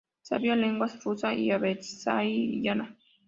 Sabía lenguas rusa y azerbaiyana.